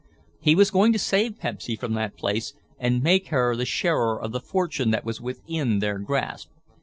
He was going to save Pepsy from that place and make her the sharer of the fortune that was within their grasp.